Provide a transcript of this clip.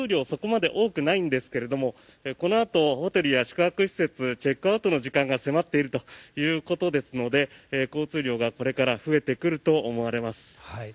そこまで多くないんですけれどもこのあとホテルや宿泊施設チェックアウトの時間が迫っているということですので交通量がこれから増えてくると思われます。